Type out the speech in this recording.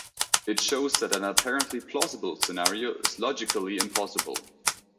It shows that an apparently plausible scenario is logically impossible.